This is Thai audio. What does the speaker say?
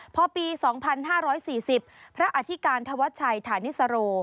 พอปี๒๕๔๐พระอธิการธวัชชัยฐานิสโร